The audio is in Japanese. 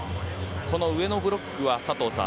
この上のブロックは佐藤さん